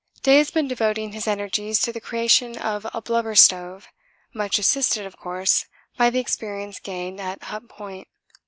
Day has been devoting his energies to the creation of a blubber stove, much assisted of course by the experience gained at Hut Point.